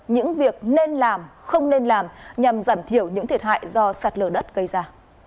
những việc nên làm không nên làm nhằm giảm thiểu những thiệt hại do sạt lở đất gây ra